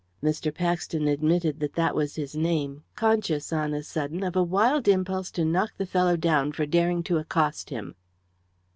Mr. Paxton admitted that that was his name, conscious, on a sudden, of a wild impulse to knock the fellow down for daring to accost him.